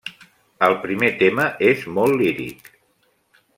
El primer tema és molt líric.